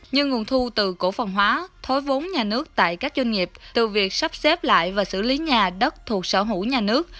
như nguồn thu từ cổ phần hóa thối vốn nhà nước tại các doanh nghiệp từ việc sắp xếp lại và xử lý nhà đất thuộc sở hữu nhà nước